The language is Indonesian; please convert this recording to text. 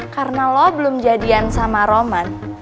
karena lo belum jadian sama roman